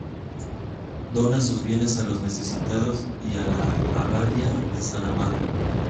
Dona sus bienes a los necesitados y a la abadía de San Amando.